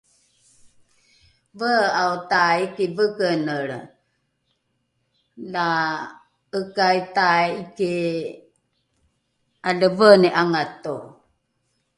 vee’ao taiki vekenelre la ’ekai taiki aleveni ’angato